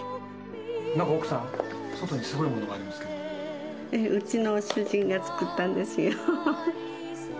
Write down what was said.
なんか奥さん、外にすごいもうちの主人が作ったんですよ。